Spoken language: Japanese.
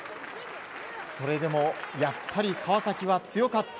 それでもやっぱり川崎は強かった。